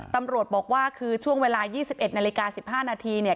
ตำรวจบอกว่าคือช่วงเวลายี่สิบเอ็ดนาฬิกาสิบห้านาทีเนี่ย